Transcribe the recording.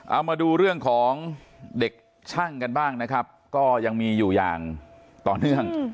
เอามาดูเรื่องของเด็กช่างกันบ้างนะครับก็ยังมีอยู่อย่างต่อเนื่อง